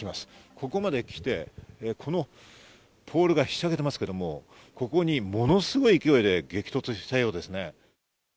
ここまで来て、このポールがひしゃげてますけど、ここにものすごい勢いで激突したようですね。